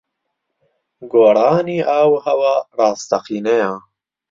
گۆڕانی ئاووھەوا ڕاستەقینەیە.